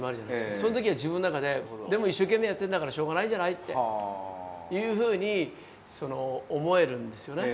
その時は自分の中で「でも一生懸命やってんだからしょうがないんじゃない？」っていうふうに思えるんですよね。